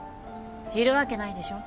知るわけないでしょ。